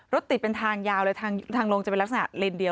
รถติดเป็นทางยาวเลยทางลงจะเป็นลักษณะเลนเดียว